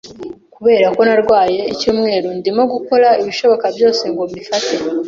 Kubera ko narwaye icyumweru, ndimo gukora ibishoboka byose ngo mbifate.